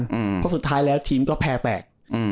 เพราะสุดท้ายแล้วทีมก็แพ้แตกอืม